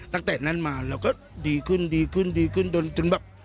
ตั้งแต่นั้นมาเราก็ดีขึ้นดีขึ้นดีขึ้นจนแบบ